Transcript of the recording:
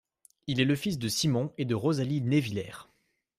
Il est le fils de Simon et de Rosalie née Villert.